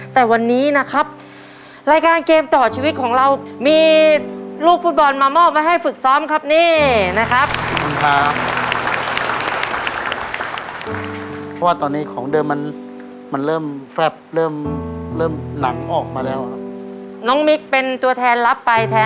แต่วันนี้นะครับรายการเกมต่อชีวิตของเรามีลูกฟุตบอลมามอบไว้ให้ฝึกซ้อมครับนี่นะครับ